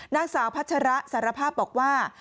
นางสาวพัชระสารภาพบอกว่า